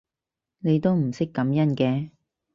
你都唔識感恩嘅